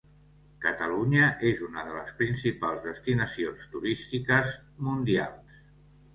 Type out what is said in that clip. Catalunya és una de les principals destinacions turístiques mundials.